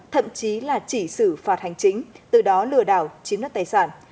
thậm chí là chỉ xử phạt hành chính từ đó lừa đảo chiếm đất tài sản